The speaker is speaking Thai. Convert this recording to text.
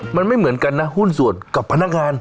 มันไม่เหมือนกันนะหุ้นส่วนกับพนักงาน